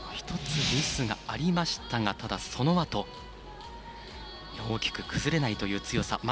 １つ、ミスがありましたがただ、そのあと大きく崩れないという強さ。